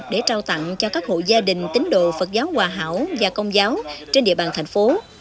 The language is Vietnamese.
để trao tặng cho các hộ gia đình tín đồ phật giáo hòa hảo và công giáo trên địa bàn thành phố